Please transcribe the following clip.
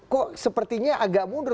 kok sepertinya agak muder